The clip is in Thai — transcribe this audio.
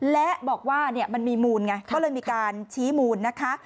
และบอกว่ามันมีมูลไงก็เลยมีการชี้มูลนะคะ